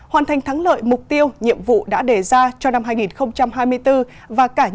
hoàn thành thắng lợi mục tiêu nhiệm vụ đã đề ra cho năm hai nghìn hai mươi bốn và cả nhiệm kỳ đại hội một mươi ba của đảng